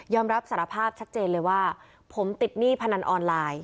รับสารภาพชัดเจนเลยว่าผมติดหนี้พนันออนไลน์